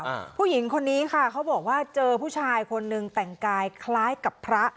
ผู้หญิงคนนี้ค่ะเขาบอกว่าเจอผู้ชายคนนึงแต่งกายคล้ายกับพระ